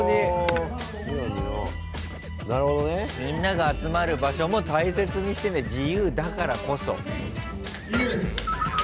みんなが集まる場所も大切にしてね自由だからこそ。